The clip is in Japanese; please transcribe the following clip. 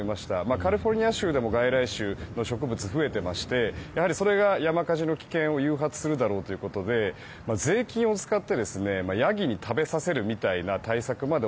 カリフォルニア州でも外来種の植物、増えてましてそれが山火事の危険を誘発するだろうということで税金を使ってヤギに食べさせるみたいな対策まで